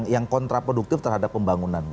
yang kontraproduktif terhadap pembangunan